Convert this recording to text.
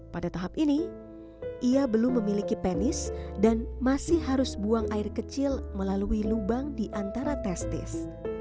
pada tahap ini ia belum memiliki penis dan masih harus buang air kecil melalui lubang di antara testis